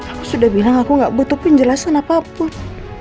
aku sudah bilang aku gak butuh penjelasan apapun